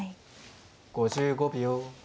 ５５秒。